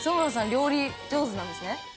料理上手なんですね？